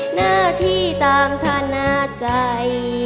หน้าที่ตามธนาใจ